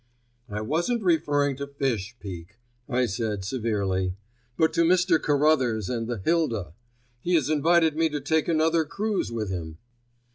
"I wasn't referring to fish, Peake," I said severely, "but to Mr. Carruthers and the Hilda. He has invited me to take another cruise with him."